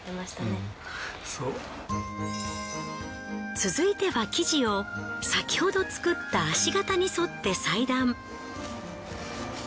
続いては生地を先ほど作った足型に沿って裁断。